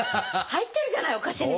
入ってるじゃないお菓子にも。